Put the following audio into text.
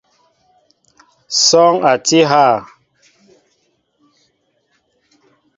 Sɔɔŋ a tí hà ?